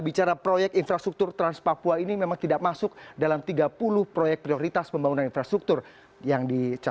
berikut laporannya untuk anda